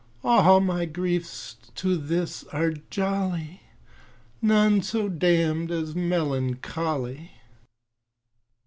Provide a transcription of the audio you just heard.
All my griefs to this are jolly, None so damn'd as melancholy.